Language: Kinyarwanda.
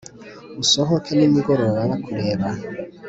usohoke nimugoroba bakureba